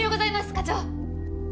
課長。